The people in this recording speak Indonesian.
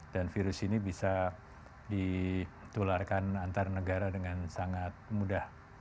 dan virus ini bisa ditularkan antar negara dengan sangat mudah